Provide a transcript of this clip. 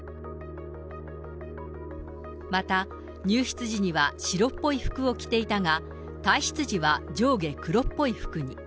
また、入室時には白っぽい服を着ていたが、退室時は上下黒っぽい服に。